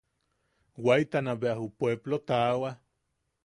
Waitana bea ju puepplo taawa.